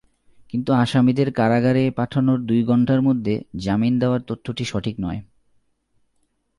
কিন্তু আসামিদের কারাগারে পাঠানোর দুই ঘণ্টার মধ্যে জামিন দেওয়ার তথ্যটি সঠিক নয়।